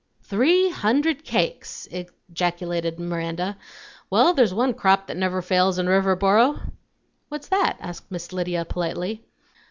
"Three hundred cakes!" ejaculated Miranda. "Well, there's one crop that never fails in Riverboro!" "What's that?" asked Miss Lydia politely.